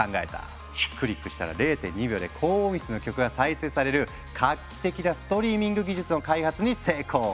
クリックしたら０．２秒で高音質の曲が再生される画期的なストリーミング技術の開発に成功！